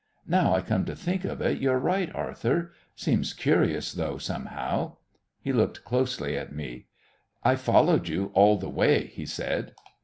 "Now I come to think of it, you're right, Arthur. Seems curious, though, somehow." He looked closely at me. "I followed you all the way," he said.